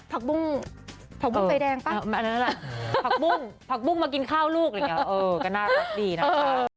ผักบุ้งผักบุ้งไฟแดงป่ะผักบุ้งผักบุ้งมากินข้าวลูกอะไรอย่างนี้ก็น่ารักดีนะคะ